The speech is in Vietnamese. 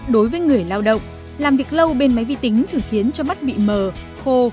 đối với người lao động làm việc lâu bên máy vi tính thường khiến cho mắt bị mờ khô